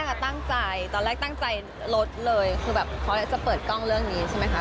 ตอนแรกเอ้าใจตอนแรกตั้งใจลดเลยคือแบบเพราะละอะจะเปิดกล้องเรื่องนี้ใช่ไหมคะ